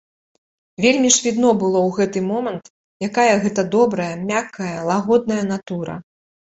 Вельмі ж відно было ў гэты момант, якая гэта добрая, мяккая, лагодная натура.